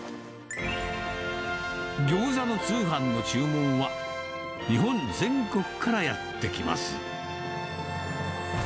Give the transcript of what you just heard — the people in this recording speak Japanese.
ギョーザの通販の注文は、日本全国からやって来ます。